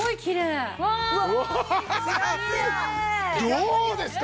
どうですか？